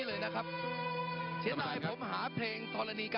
เลยต้องใช้ธรรมดานแทน